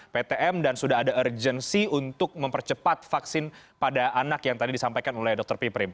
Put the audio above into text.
ptm dan sudah ada urgensi untuk mempercepat vaksin pada anak yang tadi disampaikan oleh dr piprim